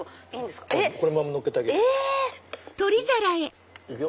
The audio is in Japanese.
このままのっけてあげるよ。